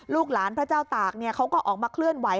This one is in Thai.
ลูกหลานพระเจ้าตากเขาก็ออกมาเคลื่อนไหว